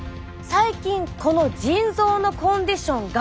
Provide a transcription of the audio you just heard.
最近この腎臓のコンディションが。